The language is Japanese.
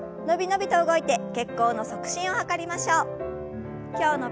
伸び伸びと動いて血行の促進を図りましょう。